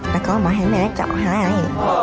แล้วก็มาให้แม่เจาะให้